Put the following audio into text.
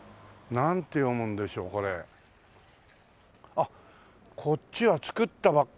あっこっちは造ったばっか。